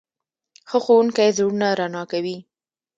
ښه ښوونکی زړونه رڼا کوي.